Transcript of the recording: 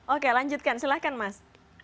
oke lanjutkan silahkan mas